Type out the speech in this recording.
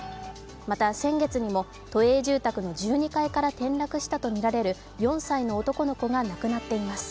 また先月にも、都営住宅の１２階から転落したとみられる４歳の男の子が亡くなっています。